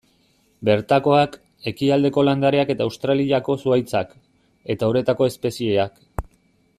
Bertakoak, ekialdeko landareak eta Australiako zuhaitzak, eta uretako espezieak.